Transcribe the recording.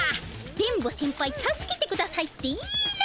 「電ボセンパイ助けてください」って言いな！